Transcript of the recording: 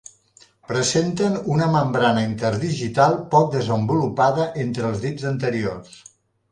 Presenten una membrana interdigital poc desenvolupada entre els dits anteriors.